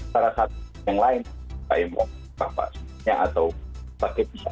salah satu yang lain pak emro pak pak atau pak ketika